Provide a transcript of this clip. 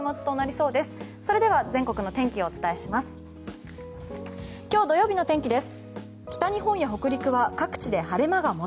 それでは全国の天気をお伝えします。